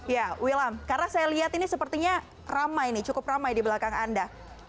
ya wilam karena saya lihat ini sepertinya ramai nih cukup ramai di belakang anda